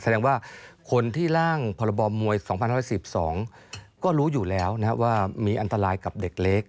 แสดงว่าคนที่ร่างพรบมวย๒๑๑๒ก็รู้อยู่แล้วว่ามีอันตรายกับเด็กเล็ก